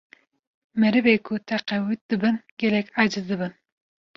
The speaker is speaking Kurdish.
merivê ku teqewût dibin gelek eciz dibin